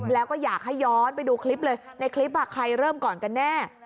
แล้วก็อยากให้ย้อนไปดูคลิปเลยในคลิปใครเริ่มก่อนกันแน่